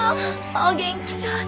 お元気そうで。